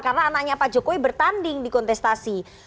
karena anaknya pak jokowi bertanding di kontestasi